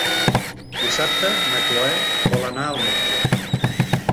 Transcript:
Dissabte na Cloè vol anar al metge.